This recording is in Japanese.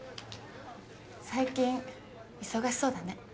最近忙しそうだね。